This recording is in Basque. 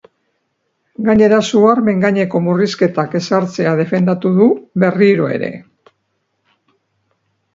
Gainera, su-armen gaineko murrizketak ezartzea defendatu du berriro ere.